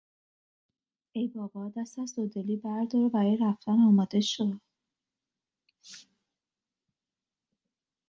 ای بابا دست از دو دلی بردار و برای رفتن آماده شو.